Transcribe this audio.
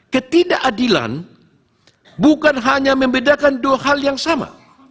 ketidakadilan bukan hanya membedakan dua hal yang sama